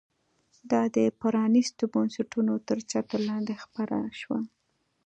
دا د پرانیستو بنسټونو تر چتر لاندې خپره شوه.